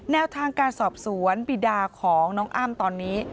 แนวทางการสอบสวนบีดาของน้องอ้ำตอนนี้